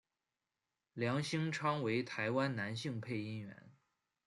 梁兴昌为台湾男性配音员。